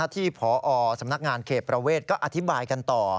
ที่พอสำนักงานเขตประเวทก็อธิบายกันต่อ